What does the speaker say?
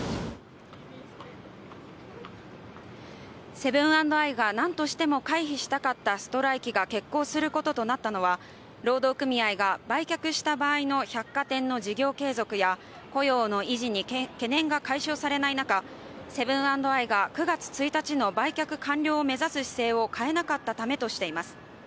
セブン＆アイがなんとしても回避したかったストライキが決行することとなったのは労働組合が売却した場合の百貨店の事業継続や雇用の維持に懸念が解消されない中セブン＆アイが９月１日の売却完了を目指す姿勢を変えなかったためとしています。